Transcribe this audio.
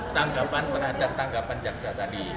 tanggapan terhadap tanggapan jaksa tadi